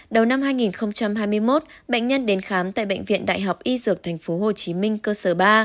đầu năm hai nghìn hai mươi một bệnh nhân đến khám tại bệnh viện đại học y dược tp hcm cơ sở ba